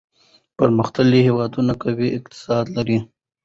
پرمختللي هېوادونه قوي اقتصاد لري.